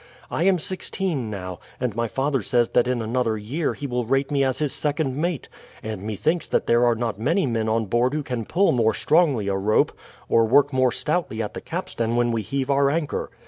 I am sixteen now, and my father says that in another year he will rate me as his second mate, and methinks that there are not many men on board who can pull more strongly a rope, or work more stoutly at the capstan when we heave our anchor.